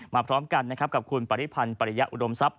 พร้อมกันนะครับกับคุณปริพันธ์ปริยะอุดมทรัพย